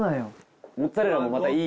モッツァレラもまたいい？